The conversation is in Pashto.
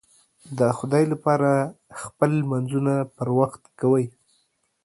د خدای لپاره خپل لمونځونه پر وخت کوئ